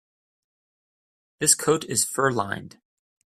This coat is fur-lined.